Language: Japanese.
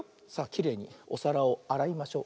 きれいにおさらをあらいましょう。